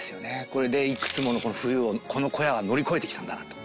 これでいくつもの冬をこの小屋は乗り越えてきたんだなと。